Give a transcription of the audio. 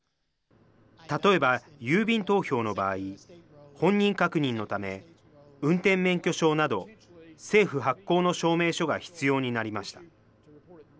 例えば郵便投票の場合、本人確認のため、運転免許証など、政府発行の証明書が必要になりました。